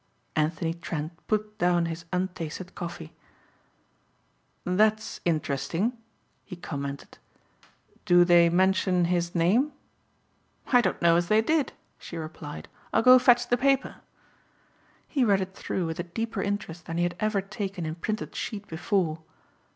Anthony Trent put down his untasted coffee. "That's interesting," he commented. "Do they mention his name?" "I don't know as they did," she replied. "I'll go fetch the paper." He read it through with a deeper interest than he had ever taken in printed sheet before.